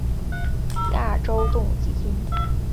亚洲动物基金。